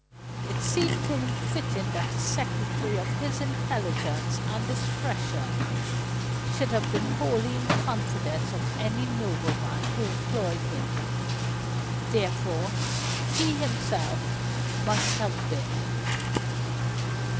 It seemed to him fitting that a secretary of his intelligence and discretion should have been wholly in the confidence of any nobleman who employed him. Therefore he himself must have been.